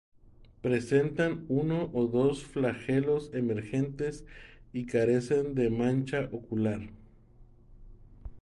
Presentan uno o dos flagelos emergentes y carecen de mancha ocular.